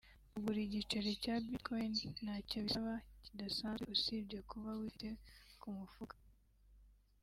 Kugura igiceri cya Bitcoin ntacyo bisaba kidasanzwe usibye kuba wifite ku mufuka